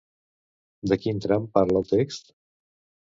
De quin tram parla el text?